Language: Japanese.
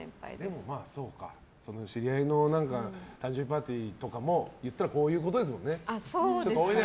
でも、その知り合いの誕生日パーティーとかもいったらこういうことですもんね。